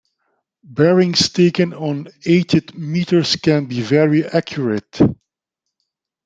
Bearings taken on eighty meters can be very accurate.